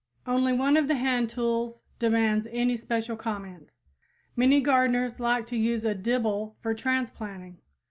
Only one of the hand tools demands any special comment. Many gardeners like to use a dibble for transplanting.